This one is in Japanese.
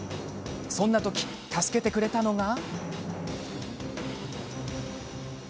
そんなとき、助けてくれたのが。